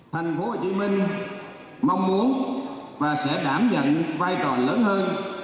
thành phố hồ chí minh mong muốn và sẽ đảm nhận vai trò lớn hơn